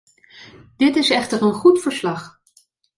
Dit is echter een goed verslag.